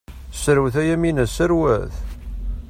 Serwet a Yamina, serwet!